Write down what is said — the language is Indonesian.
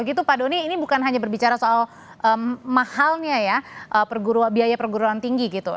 begitu pak doni ini bukan hanya berbicara soal mahalnya ya biaya perguruan tinggi gitu